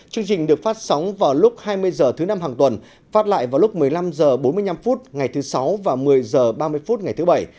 chương trình được phát sóng vào lúc hai mươi h thứ năm hàng tuần phát lại vào lúc một mươi năm h bốn mươi năm ngày thứ sáu và một mươi h ba mươi phút ngày thứ bảy